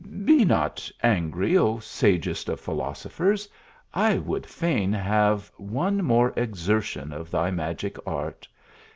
" Be not angry, O sagest of philosophers, i would fain have one more exartidn of thy magic art.